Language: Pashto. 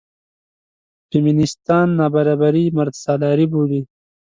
فیمینېستان نابرابري مردسالاري بولي.